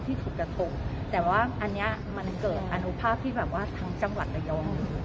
ที่ถูกกระทบแต่ว่าอันเนี้ยมันเกิดอาณุภาพที่แบบว่าทางจังหวัดระยะวะมือ